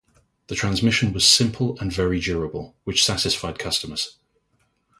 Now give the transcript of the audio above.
The transmission was simple and very durable, which satisfied customers.